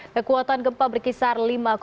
kekuatan gempa berkisar lima tujuh